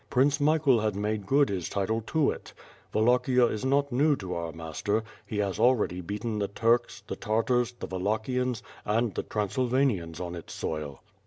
Prince Michael had made good his title to it. Wallachia is not new to our master, he has already beaten the Turks, the Tartars, the Wallachians, and the Transylvanians on its soil